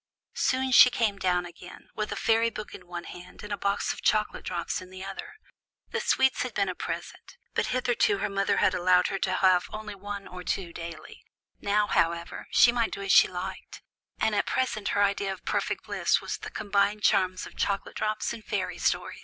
Soon she came down again, with a fairy book in one hand, and a box of chocolate drops in the other. The sweets had been a present, but hitherto her mother had allowed her to have only one or two daily; now, however, she might do as she liked, and at present her idea of perfect bliss was the combined charms of chocolate drops and fairy stories.